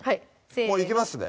もういきますね